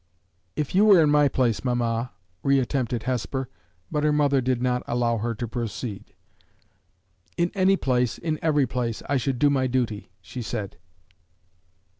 "If you were in my place, mamma," reattempted Hesper, but her mother did not allow her to proceed. "In any place, in every place, I should do my duty," she said.